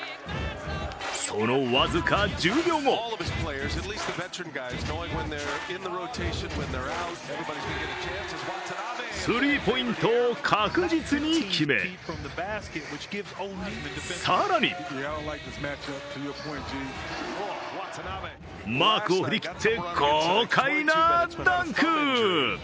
その僅か１０秒後スリーポイントを確実に決め更にマークを振り切って豪快なダンク。